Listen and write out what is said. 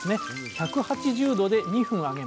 １８０℃で２分揚げます。